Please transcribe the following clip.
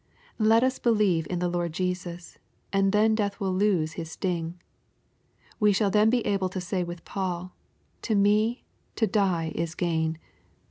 Let us believe in the Lord Jesus, and then death will lose his sting. We shall then be able to say with Paul, " To me to die is gain."